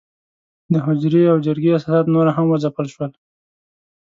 د حجرې او جرګې اساسات نور هم وځپل شول.